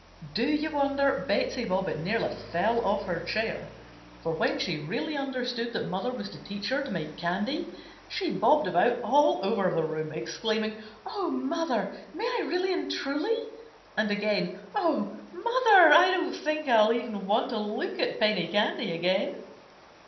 Do you wonder Betsey Bobbitt nearly fell off her chair, for when she really understood that mother was to teach her to make candy, she bobbed about all over the room, exclaiming: "Oh! mother, may I really and truly?" and, again: "Oh! mother, I don't think I'll even want to look at penny candy again!"